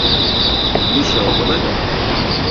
Йӱшӧ огыл ыле...